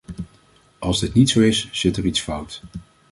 Als dit niet zo is, zit er iets fout.